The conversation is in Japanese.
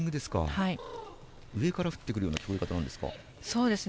上から降ってくるような感じですか。